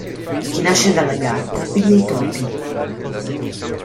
Chi nasce dalla gatta piglia i topi.